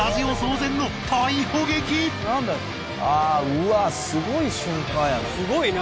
うわすごい瞬間やな。